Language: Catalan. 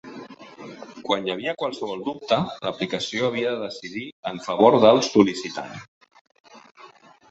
Quan hi havia qualsevol dubte, l'aplicació havia de decidir en favor del sol·licitant.